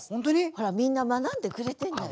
ほらみんな学んでくれてんだよ。